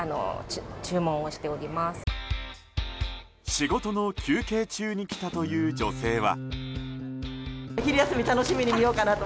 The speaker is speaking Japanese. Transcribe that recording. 仕事の休憩中に来たという女性は。